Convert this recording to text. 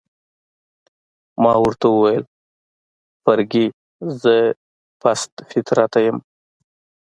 ما ورته وویل: فرګي، زه پست فطرته یم؟